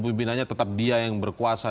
pimpinannya tetap dia yang berkuasa